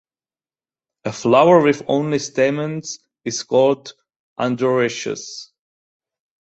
A flower with only stamens is called androecious.